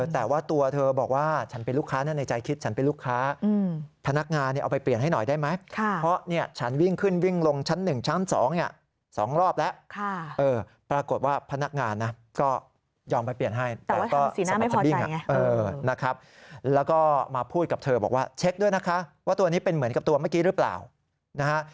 แต่ว่าทำสีหน้าไม่พอใจไงเออนะครับแล้วก็มาพูดกับเธอบอกว่าเช็คด้วยนะคะว่าตัวนี้เป็นเหมือนกับตัวเมื่อกี้หรือเปล่านะฮะ